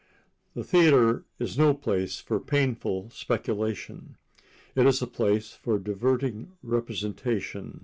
The theater is no place for painful speculation; it is a place for diverting representation.